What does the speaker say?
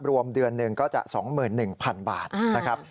รวมเดือนหนึ่งก็จะ๒๑๐๐๐บาทนะครับ